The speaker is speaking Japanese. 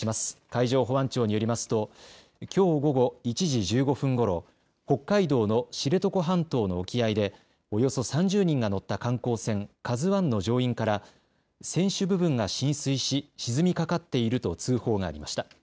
海上保安庁によりますと、きょう午後１時１５分ごろ、北海道の知床半島の沖合で、およそ３０人が乗った観光船、ＫＡＺＵわんの乗員から船首部分が浸水し、沈みかかっていると通報がありました。